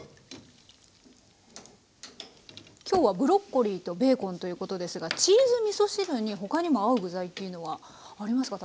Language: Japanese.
今日はブロッコリーとベーコンということですがチーズみそ汁に他にも合う具材っていうのはありますか？